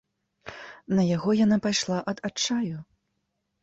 На яго яна пайшла ад адчаю.